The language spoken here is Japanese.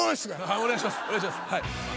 お願いします。